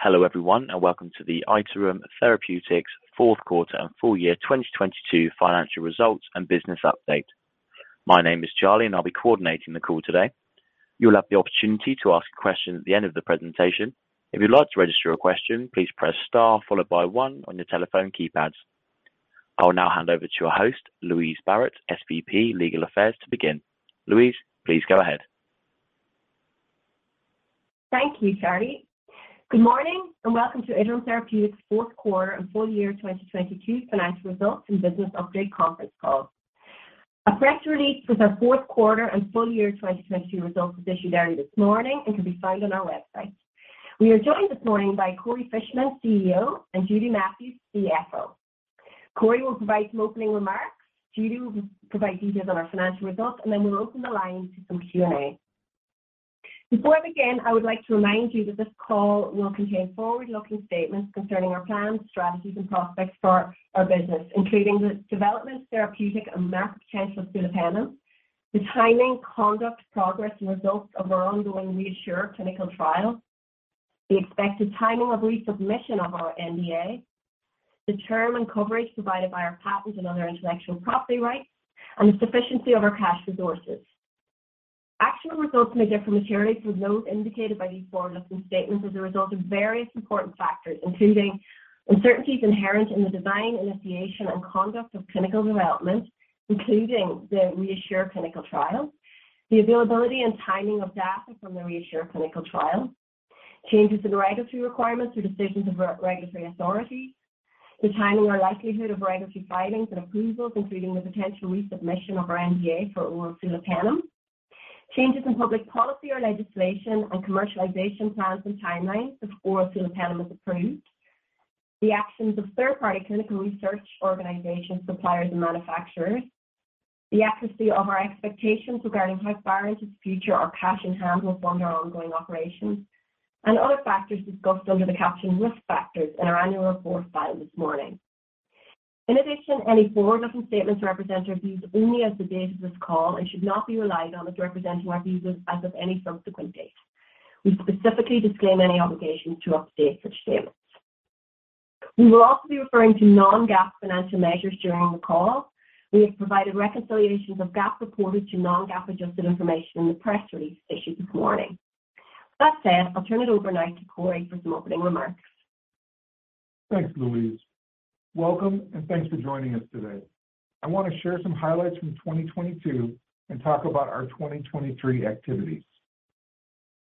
Hello everyone. Welcome to the Iterum Therapeutics Fourth Quarter and Full Year 2022 Financial Results and Business Update. My name is Charlie. I'll be coordinating the call today. You'll have the opportunity to ask questions at the end of the presentation. If you'd like to register your question, please press star followed by one on your telephone keypads. I will now hand over to our host, Louise Barrett, SVP, Legal Affairs, to begin. Louise, please go ahead. Thank you, Charlie. Good morning and welcome to Iterum Therapeutics fourth quarter and full year 2022 financial results and business update conference call. A press release with our fourth quarter and full year 2022 results was issued early this morning and can be found on our website. We are joined this morning by Corey Fishman, CEO, and Judy Matthews, CFO. Corey will provide some opening remarks. Judy will provide details on our financial results, and then we'll open the line to some Q&A. Before I begin, I would like to remind you that this call will contain forward-looking statements concerning our plans, strategies, and prospects for our business, including the development, therapeutic and market potential of sulopenem, the timing, conduct, progress, and results of our ongoing REASSURE clinical trial, the expected timing of resubmission of our NDA, the term and coverage provided by our patents and other intellectual property rights, and the sufficiency of our cash resources. Actual results may differ materially from those indicated by these forward-looking statements as a result of various important factors, including uncertainties inherent in the design, initiation, and conduct of clinical development, including the REASSURE clinical trial; the availability and timing of data from the REASSURE clinical trial; changes in regulatory requirements or decisions of regulatory authorities; the timing or likelihood of regulatory filings and approvals, including the potential resubmission of our NDA for oral sulopenem; changes in public policy or legislation and commercialization plans and timelines if oral sulopenem is approved; the actions of third-party clinical research organizations, suppliers, and manufacturers; the accuracy of our expectations regarding how far into the future our cash and hand will fund our ongoing operations; and other factors discussed under the caption Risk Factors in our annual report filed this morning. Any forward-looking statements represent our views only as of the date of this call and should not be relied on as representing our views as of any subsequent date. We specifically disclaim any obligation to update such statements. We will also be referring to non-GAAP financial measures during the call. We have provided reconciliations of GAAP reported to non-GAAP adjusted information in the press release issued this morning. I'll turn it over now to Corey for some opening remarks. Thanks, Louise. Welcome and thanks for joining us today. I want to share some highlights from 2022 and talk about our 2023 activities.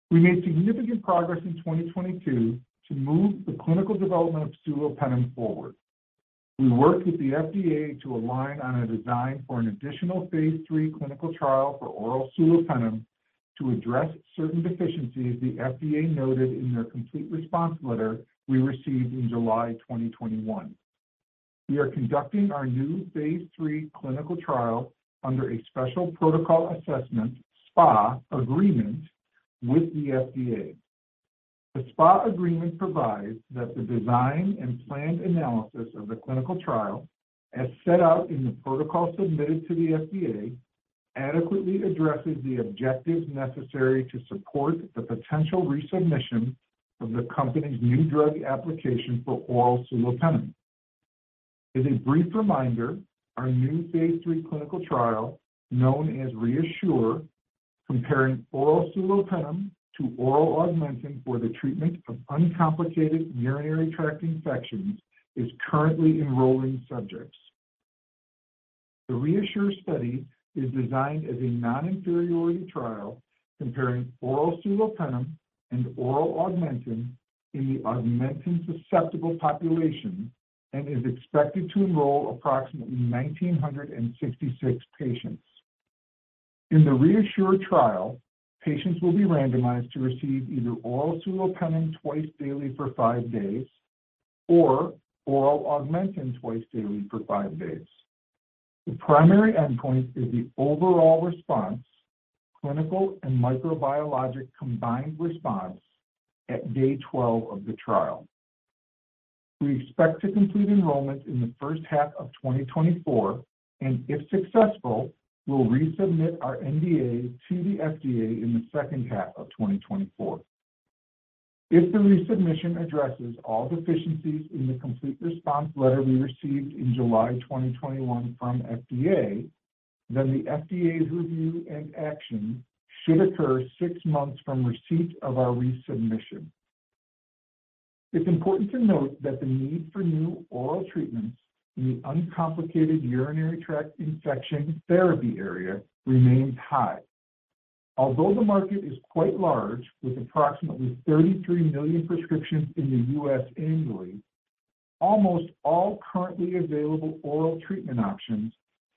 We made significant progress in 2022 to move the clinical development of sulopenem forward. We worked with the FDA to align on a design for an additional phase III clinical trial for oral sulopenem to address certain deficiencies the FDA noted in their Complete Response Letter we received in July 2021. We are conducting our new phase III clinical trial under a Special Protocol Assessment, SPA, agreement with the FDA. The SPA agreement provides that the design and planned analysis of the clinical trial, as set out in the protocol submitted to the FDA, adequately addresses the objectives necessary to support the potential resubmission of the company's New Drug Application for oral sulopenem. As a brief reminder, our new phase III clinical trial, known as REASSURE, comparing oral sulopenem to oral Augmentin for the treatment of uncomplicated urinary tract infections, is currently enrolling subjects. The REASSURE study is designed as a non-inferiority trial comparing oral sulopenem and oral Augmentin in the Augmentin-susceptible population and is expected to enroll approximately 1,966 patients. In the REASSURE trial, patients will be randomized to receive either oral sulopenem twice daily for five days or oral Augmentin twice daily for five days. The primary endpoint is the overall response, clinical and microbiologic combined response at day 12 of the trial. We expect to complete enrollment in the first half of 2024 and if successful, will resubmit our NDA to the FDA in the second half of 2024. If the resubmission addresses all deficiencies in the Complete Response Letter we received in July 2021 from FDA, the FDA's review and action should occur six months from receipt of our resubmission. It's important to note that the need for new oral treatments in the uncomplicated urinary tract infection therapy area remains high. Although the market is quite large, with approximately 33 million prescriptions in the U.S. annually, almost all currently available oral treatment options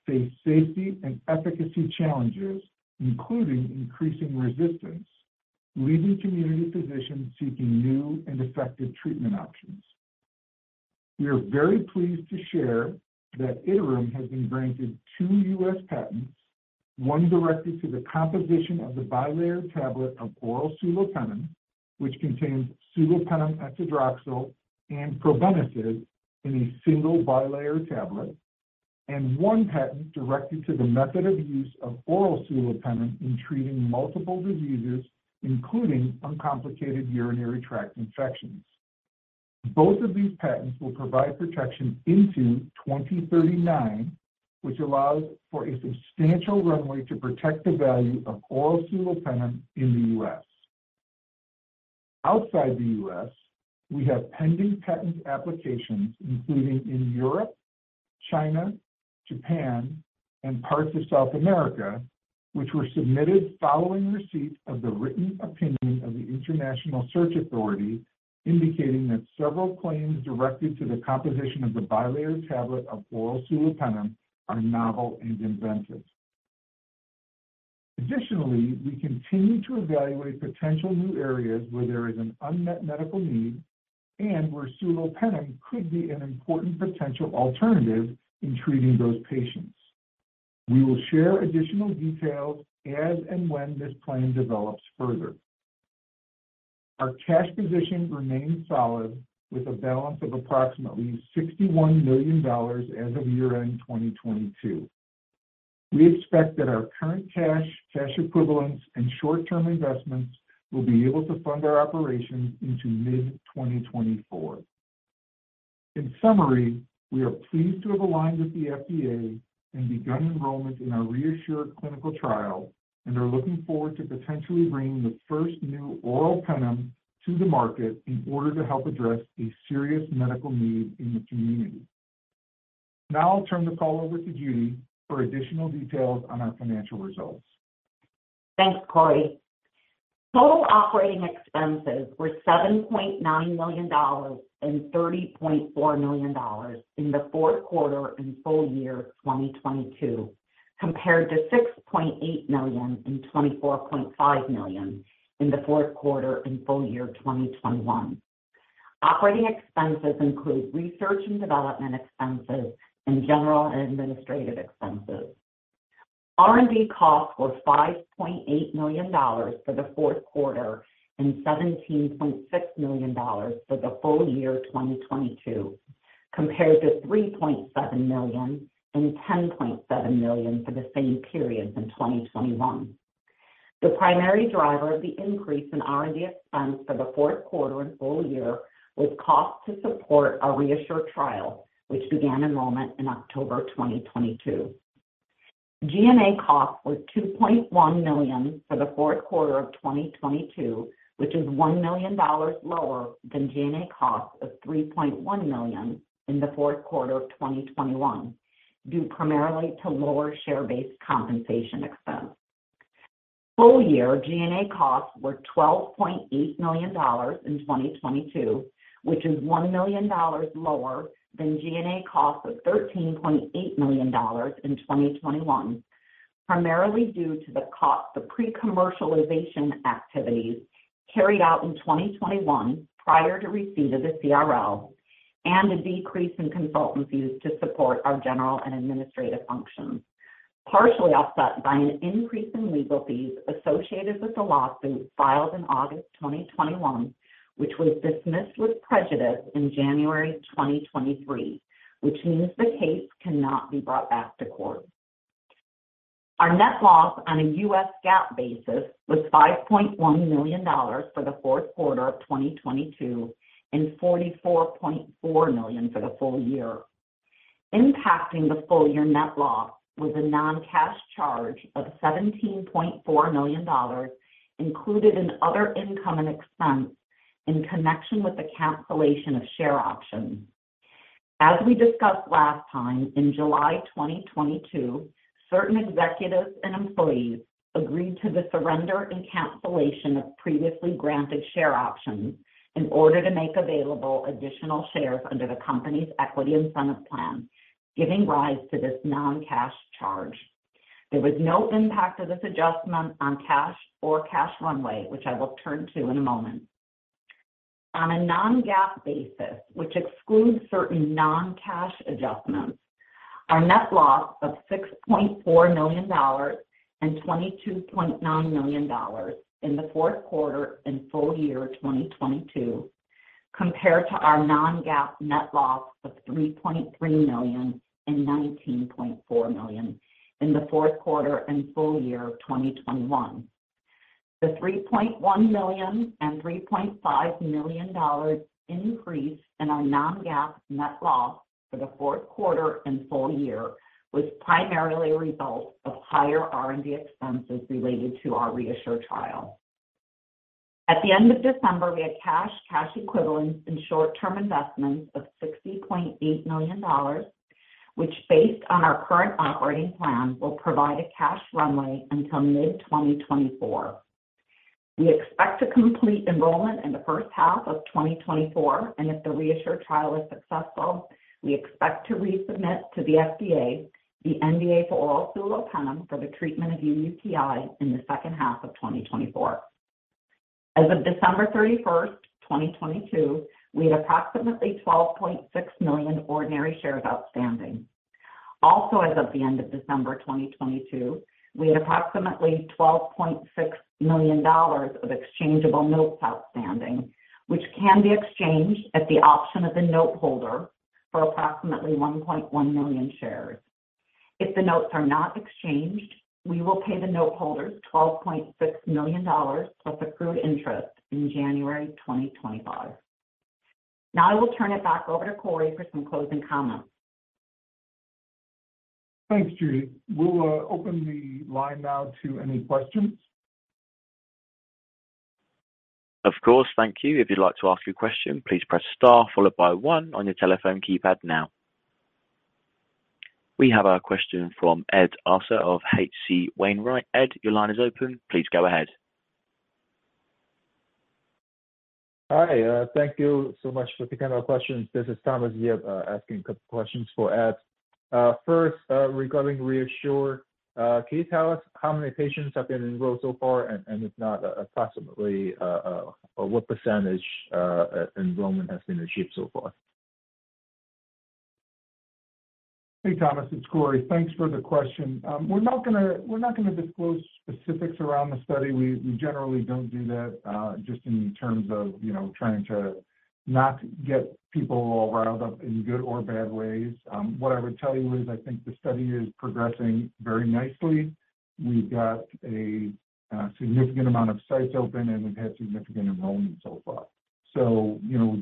face safety and efficacy challenges, including increasing resistance, leaving community physicians seeking new and effective treatment options. We are very pleased to share that Iterum has been granted two U.S. patents, one directed to the composition of the bilayer tablet of oral sulopenem, which contains sulopenem etzadroxil and probenecid in a single bilayer tablet. One patent directed to the method of use of oral sulopenem in treating multiple diseases, including uncomplicated urinary tract infections. Both of these patents will provide protection into 2039, which allows for a substantial runway to protect the value of oral sulopenem in the U.S. Outside the U.S., we have pending patent applications, including in Europe, China, Japan, and parts of South America, which were submitted following receipt of the written opinion of the International Searching Authority, indicating that several claims directed to the composition of the bilayer tablet of oral sulopenem are novel and inventive. Additionally, we continue to evaluate potential new areas where there is an unmet medical need and where sulopenem could be an important potential alternative in treating those patients. We will share additional details as and when this plan develops further. Our cash position remains solid with a balance of approximately $61 million as of year-end 2022. We expect that our current cash equivalents, and short-term investments will be able to fund our operations into mid-2024. In summary, we are pleased to have aligned with the FDA and begun enrollment in our REASSURE clinical trial and are looking forward to potentially bringing the first new oral penem to the market in order to help address a serious medical need in the community. Now I'll turn the call over to Judy for additional details on our financial results. Thanks, Corey. Total operating expenses were $7.9 million and $30.4 million in the fourth quarter and full year 2022, compared to $6.8 million and $24.5 million in the fourth quarter and full year 2021. Operating expenses include research and development expenses and general and administrative expenses. R&D costs were $5.8 million for the fourth quarter and $17.6 million for the full year 2022, compared to $3.7 million and $10.7 million for the same periods in 2021. The primary driver of the increase in R&D expense for the fourth quarter and full year was cost to support our REASSURE trial, which began enrollment in October 2022. G&A costs were $2.1 million for the fourth quarter of 2022, which is $1 million lower than G&A costs of $3.1 million in the fourth quarter of 2021, due primarily to lower share-based compensation expense. Full year G&A costs were $12.8 million in 2022, which is $1 million lower than G&A costs of $13.8 million in 2021, primarily due to the cost of pre-commercialization activities carried out in 2021 prior to receipt of the CRL and a decrease in consultancies to support our general and administrative functions, partially offset by an increase in legal fees associated with the lawsuit filed in August 2021, which was dismissed with prejudice in January 2023, which means the case cannot be brought back to court. Our net loss on a U.S. GAAP basis was $5.1 million for the fourth quarter of 2022 and $44.4 million for the full year. Impacting the full-year net loss was a non-cash charge of $17.4 million included in other income and expense in connection with the cancellation of share options. As we discussed last time, in July 2022, certain executives and employees agreed to the surrender and cancellation of previously granted share options in order to make available additional shares under the company's equity incentive plan, giving rise to this non-cash charge. There was no impact of this adjustment on cash or cash runway, which I will turn to in a moment. On a non-GAAP basis, which excludes certain non-cash adjustments, our net loss of $6.4 million and $22.9 million in the fourth quarter and full year 2022, compared to our non-GAAP net loss of $3.3 million and $19.4 million in the fourth quarter and full year of 2021. The $3.1 million and $3.5 million increase in our non-GAAP net loss for the fourth quarter and full year was primarily a result of higher R&D expenses related to our REASSURE trial. At the end of December, we had cash equivalents, and short-term investments of $60.8 million, which based on our current operating plan, will provide a cash runway until mid-2024. We expect to complete enrollment in the first half of 2024, and if the REASSURE trial is successful, we expect to resubmit to the FDA the NDA for oral sulopenem for the treatment of uUTI in the second half of 2024. As of December 31, 2022, we had approximately 12.6 million ordinary shares outstanding. As of the end of December 2022, we had approximately $12.6 million of exchangeable notes outstanding, which can be exchanged at the option of the note holder for approximately 1.1 million shares. If the notes are not exchanged, we will pay the note holders $12.6 million plus accrued interest in January 2024. I will turn it back over to Corey for some closing comments. Thanks, Judy. We'll open the line now to any questions. Of course. Thank you. If you'd like to ask a question, please press star followed by one on your telephone keypad now. We have a question from Ed Arce of H.C. Wainwright. Ed, your line is open. Please go ahead. Hi. Thank you so much for taking our questions. This is Thomas Yip, asking a couple questions for Ed. First, regarding REASSURE, can you tell us how many patients have been enrolled so far? If not, approximately, what % enrollment has been achieved so far? Hey, Thomas, it's Corey. Thanks for the question. We're not gonna disclose specifics around the study. We generally don't do that, just in terms of, you know, trying to not get people all riled up in good or bad ways. What I would tell you is I think the study is progressing very nicely. We've got a significant amount of sites open, and we've had significant enrollment so far. You know,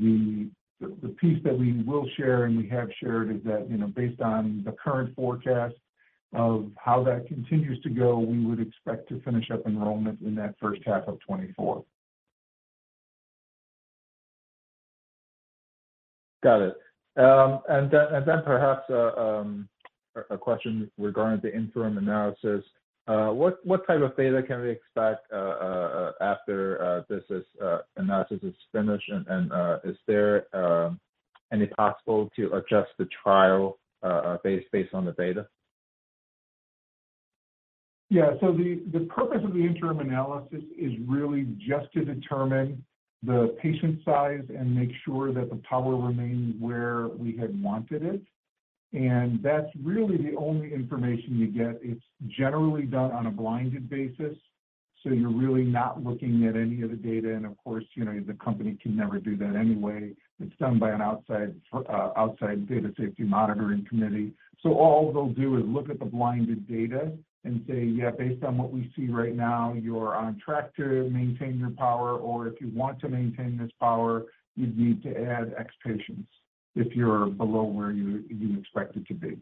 the piece that we will share and we have shared is that, you know, based on the current forecast of how that continues to go, we would expect to finish up enrollment in that first half of 2024. Got it. Then perhaps, a question regarding the interim analysis. What type of data can we expect after this analysis is finished? Is there any possible to adjust the trial based on the data? The, the purpose of the interim analysis is really just to determine the patient size and make sure that the power remains where we had wanted it. That's really the only information you get. It's generally done on a blinded basis, so you're really not looking at any of the data. Of course, you know, the company can never do that anyway. It's done by an outside Data Safety Monitoring Committee. All they'll do is look at the blinded data and say, "Yeah, based on what we see right now, you're on track to maintain your power," or "If you want to maintain this power, you'd need to add X patients if you're below where you expect it to be."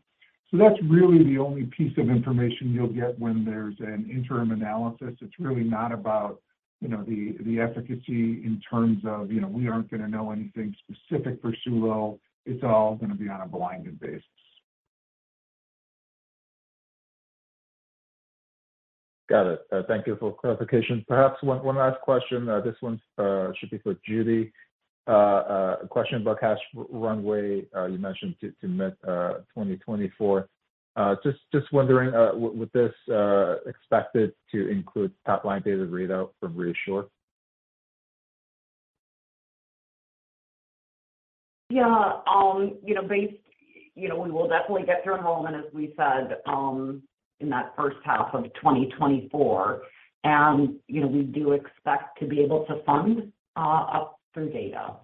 That's really the only piece of information you'll get when there's an interim analysis. It's really not about, you know, the efficacy in terms of, you know, we aren't gonna know anything specific for SULO. It's all gonna be on a blinded basis. Got it. Thank you for clarification. Perhaps one last question. This one's should be for Judy. A question about cash runway, you mentioned to mid 2024. Just wondering, with this expected to include top-line data readout from REASSURE? You know, we will definitely get through enrollment, as we said, in that first half of 2024. You know, we do expect to be able to fund, up through data.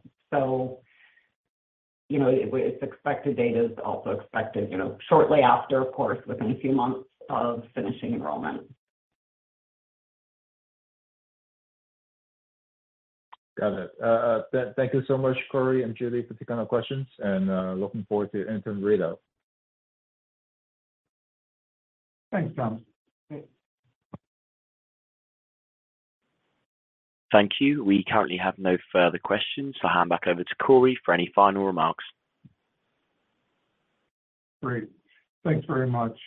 You know, if expected data is also expected, you know, shortly after, of course, within a few months of finishing enrollment. Got it. thank you so much, Corey and Judy, for taking our questions, and looking forward to your interim readout. Thanks, Thomas. Thanks. Thank you. We currently have no further questions. I'll hand back over to Corey for any final remarks. Great. Thanks very much.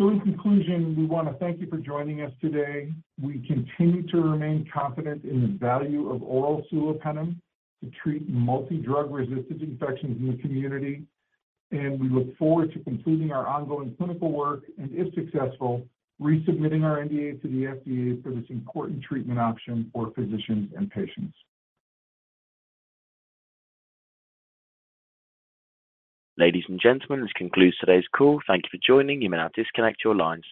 In conclusion, we wanna thank you for joining us today. We continue to remain confident in the value of oral sulopenem to treat multi-drug resistant infections in the community. We look forward to completing our ongoing clinical work, and if successful, resubmitting our NDA to the FDA for this important treatment option for physicians and patients. Ladies and gentlemen, this concludes today's call. Thank you for joining. You may now disconnect your lines.